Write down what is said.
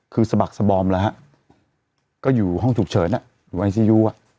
คือสะบักสบอมแล้วฮะก็อยู่ห้องฉุกเฉินไอซียูอ่ะ